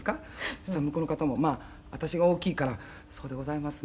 「そしたら向こうの方もまあ私が大きいから“そうでございますね。